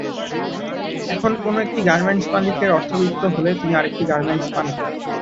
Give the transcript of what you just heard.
এখন কোনো একটি গার্মেন্টস মালিকের অর্থবিত্ত হলে তিনি আরেকটি গার্মেন্টস বানান।